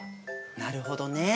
なるほどね。